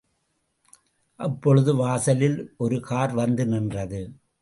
அப்பொழுது வாசலில் ஒரு கார் வந்து நின்றது.